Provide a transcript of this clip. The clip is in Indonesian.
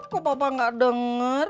kok papa nggak denger